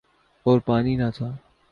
اور پانی نہ تھا۔